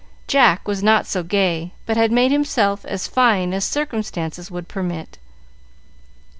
Jack was not so gay, but had made himself as fine as circumstances would permit.